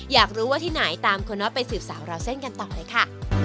อยากรู้ว่าที่ไหนตามคุณน็อตไปสืบสาวราวเส้นกันต่อเลยค่ะ